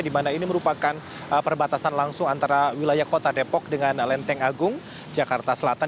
di mana ini merupakan perbatasan langsung antara wilayah kota depok dengan lenteng agung jakarta selatan